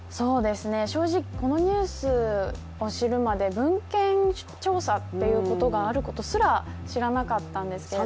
正直このニュースを知るまで文献調査ということがあることすら知らなかったんですけれども。